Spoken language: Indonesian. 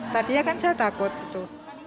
tadi ya kan saya takut gitu